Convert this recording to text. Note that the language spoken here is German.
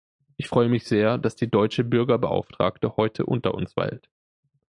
Ich freue mich sehr, dass die deutsche Bürgerbeauftragte heute unter uns weilt.